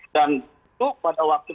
dan itu pada waktu